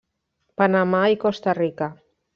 Panamà i Costa Rica.